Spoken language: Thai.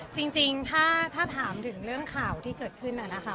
จริงถ้าถามถึงเรื่องข่าวที่เกิดขึ้นนะคะ